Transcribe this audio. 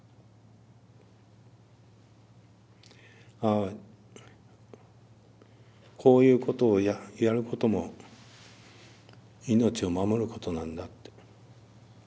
ああこういうことをやることも命を守ることなんだって。